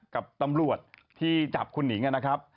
กับตำรวจที่จับคุณหนิงนะครับ